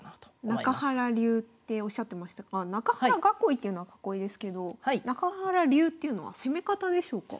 中原流っておっしゃってましたが中原囲いっていうのは囲いですけど中原流っていうのは攻め方でしょうか？